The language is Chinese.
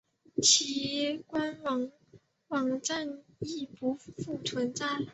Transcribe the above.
其官方网站亦不复存在。